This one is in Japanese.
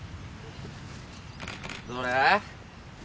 どれ？